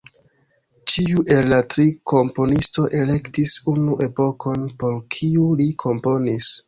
Ĉiu el la tri komponisto elektis unu epokon, por kiu li komponis.